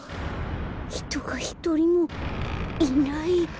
ひとがひとりもいない。